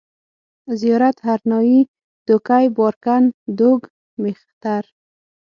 زيارت، هرنايي، دوکۍ، بارکن، دوگ، مېختر